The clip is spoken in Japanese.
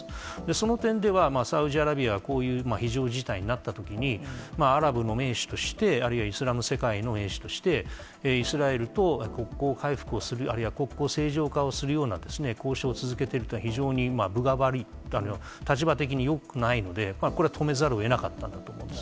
その点では、サウジアラビア、こういう非常事態になったときに、アラブの盟主として、あるいはイスラム世界の名手として、イスラエルと国交回復をする、あるいは国交正常化をするような交渉を続けているというのは、非常に分が悪い、立場的によくないので、これは止めざるをえなかったんだと思います。